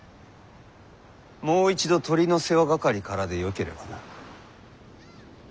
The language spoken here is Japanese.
もう一度鶏の世話係からでよければな。